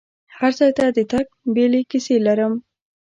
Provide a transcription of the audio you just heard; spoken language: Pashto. هر ځای ته د تګ بیلې کیسې لرم.